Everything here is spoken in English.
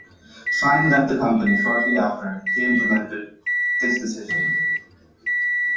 Fine left the company shortly after he implemented this decision.